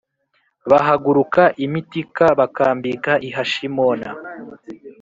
Bahaguruka i Mitika bakambika i Hashimona